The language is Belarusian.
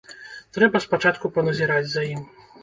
Трэба спачатку паназіраць за ім.